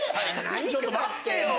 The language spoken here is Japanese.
⁉ちょっと待って。